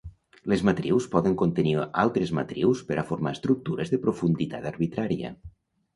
Les matrius poden contenir altres matrius per a formar estructures de profunditat arbitrària.